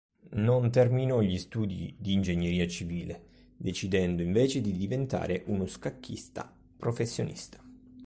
Non terminò gli studi di Ingegneria civile, decidendo invece di diventare uno scacchista professionista.